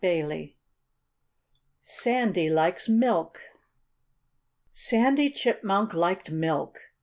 XVIII SANDY LIKES MILK Sandy Chipmunk liked milk.